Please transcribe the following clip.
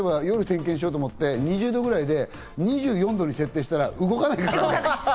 夜点検しようと思って、２０度くらいで２４度に設定したら動かないからね。